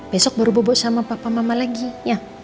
besok baru bobot sama papa mama lagi ya